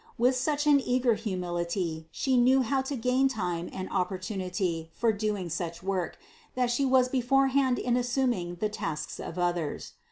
With such an eager humility She knew how to gain time and oppor tunity for doing such work, that She was beforehand in assuming the tasks of others.